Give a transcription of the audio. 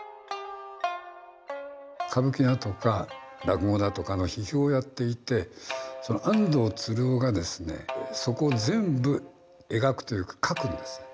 歌舞伎だとか落語だとかの批評をやっていてその安藤鶴夫がですねそこを全部描くというか書くんです。